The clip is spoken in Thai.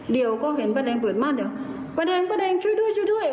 เดี๋ยวก็เห็นป้าแดงเปิดม่านเดี๋ยวป้าแดงป้าแดงช่วยด้วยช่วยด้วย